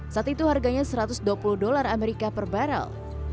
saat itu harganya satu ratus dua puluh dolar amerika per barrel